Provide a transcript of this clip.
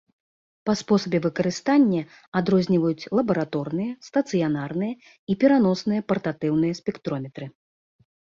Па спосабе выкарыстання адрозніваюць лабараторныя, стацыянарныя і пераносныя партатыўныя спектрометры.